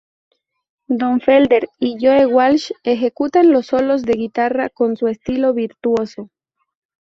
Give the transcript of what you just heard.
Don Felder y Joe Walsh ejecutan los solos de guitarra con su estilo virtuoso.